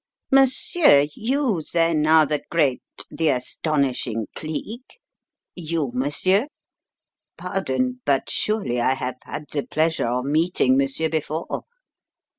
"Monsieur, you then are the great, the astonishing Cleek? You, monsieur? Pardon, but surely I have had the pleasure of meeting monsieur before?